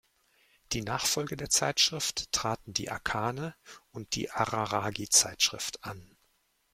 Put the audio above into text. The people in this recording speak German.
Die Nachfolge der Zeitschrift traten die Akane- und die Araragi-Zeitschrift an.